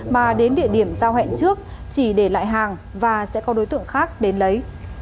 mà đến địa điểm giao hẹn trước chỉ để lại hàng và sẽ có đối tượng khác đến lấy